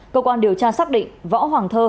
cơ quan điều tra xác định võ hoàng thơ